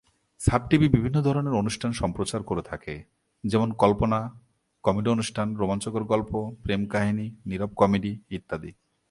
Sub TV বিভিন্ন ধরনের অনুষ্ঠান সম্প্রচার করে থাকে, যেমন: কল্পনা, কমেডি অনুষ্ঠান, রোমাঞ্চকর গল্প, প্রেম কাহিনী, নীরব কমেডি ইত্যাদি।